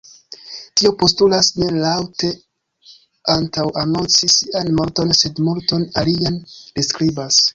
Tio postulas ne laŭte antaŭanonci sian morton sed multon alian”, li skribas.